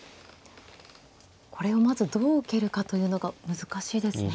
これをまずどう受けるかというのが難しいですね。